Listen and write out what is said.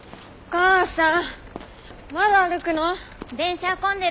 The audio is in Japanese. お母さん。